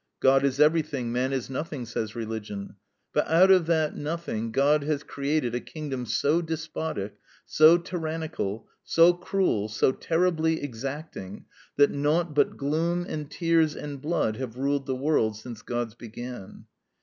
God is everything, man is nothing, says religion. But out of that nothing God has created a kingdom so despotic, so tyrannical, so cruel, so terribly exacting that naught but gloom and tears and blood have ruled the world since gods began.